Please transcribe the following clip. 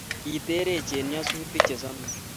Kiterech en nyasutik che samis